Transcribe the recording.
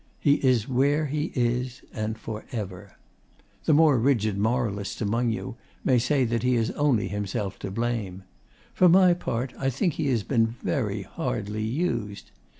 He is where he is, and forever. The more rigid moralists among you may say he has only himself to blame. For my part, I think he has been very hardly used.